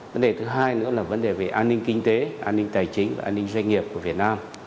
vấn đề thứ hai nữa là vấn đề về an ninh kinh tế an ninh tài chính và an ninh doanh nghiệp của việt nam